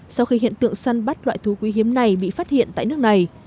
sau khi hiện tượng săn bắt loại thú quý hiếm này bị phát hiện tại nước này